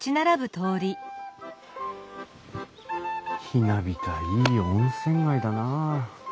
ひなびたいい温泉街だなあ。